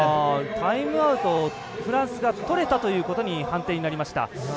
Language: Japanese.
タイムアウトをフランスがとれたという判定になりました。